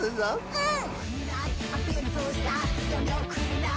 うん！